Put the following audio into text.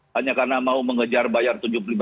hanya karena mau mengejar bayar tujuh puluh lima